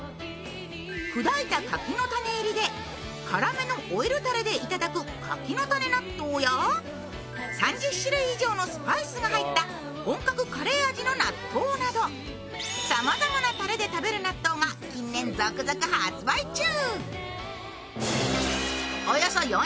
砕いた柿の種入れでからめのオイルたれでいただく柿の種納豆や３０種類以上のスパイスが入った本格カレー味の納豆など、さまざまなたれで食べる納豆が近年、続々発売中。